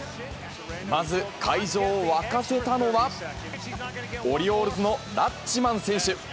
まず、会場を沸かせたのは、オリオールズのラッチマン選手。